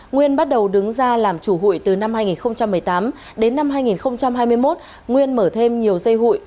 nguyên bắt đầu đứng ra làm chủ hụi từ năm hai nghìn một mươi tám đến năm hai nghìn hai mươi một nguyên mở thêm nhiều dây hụi